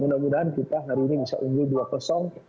mudah mudahan kita hari ini bisa unggul dua